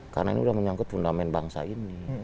karena ini sudah menyangkut fundament bangsa ini